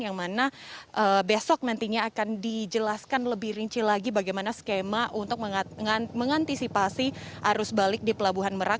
karena besok nantinya akan dijelaskan lebih rinci lagi bagaimana skema untuk mengantisipasi arus balik di pelabuhan merak